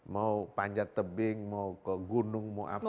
mau panjat tebing mau ke gunung mau apa